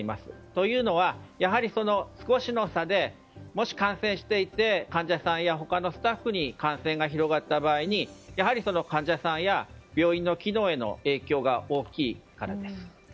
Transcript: というのは、やはり少しの差でもし感染していて患者さんや他のスタッフに感染が広がった場合にやはり患者さんや病院の機能への影響が大きいからです。